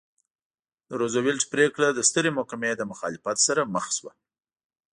د روزولټ پرېکړه د سترې محکمې له مخالفت سره مخ شوه.